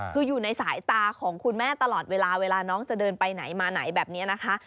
คืออยู่ในสายตาของคุณแม่ตลอดเวลาเวลาน้องจะเดินไปไหนมาไหนแบบนี้นะคะ